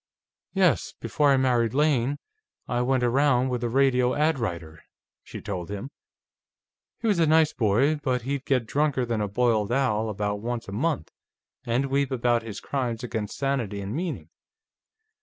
"Yes. Before I married Lane, I went around with a radio ad writer," she told him. "He was a nice boy, but he'd get drunker than a boiled owl about once a month, and weep about his crimes against sanity and meaning.